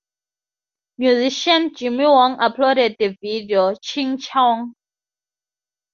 Musician Jimmy Wong uploaded the video, Ching Chong!